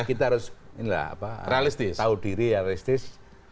kita harus tahu diri realistis